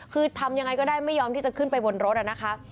คือทำยังไงก็ได้ไม่ยอมที่จะขึ้นไปบนรถนะคะ